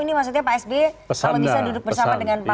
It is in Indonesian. ini maksudnya pak sby sama bisa duduk bersama dengan pak ibu megawati ya